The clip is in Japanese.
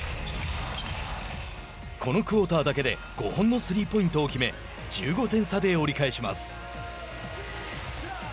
このクオーターだけで５本のスリーポイントを決め１５点差で折り返します。